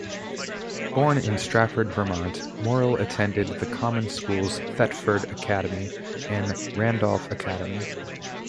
Born in Strafford, Vermont, Morrill attended the common schools, Thetford Academy and Randolph Academy.